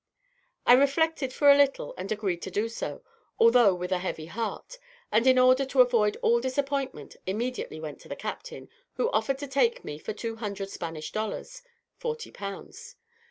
I reflected for a little, and agreed to do so, although with a heavy heart; and in order to avoid all disappointment, immediately went to the captain, who offered to take me for 200 Spanish dollars (40 pounds).